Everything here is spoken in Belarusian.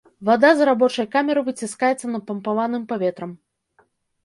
Вада з рабочай камеры выціскаецца напампаваным паветрам.